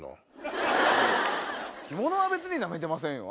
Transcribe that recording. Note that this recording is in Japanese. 着物は別にナメてませんよ。